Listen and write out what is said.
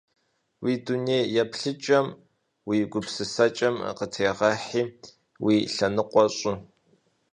Уи дуней еплъыкӀэм, уи гупсысэкӀэм къытегъэхьи, уи лъэныкъуэ щӀы.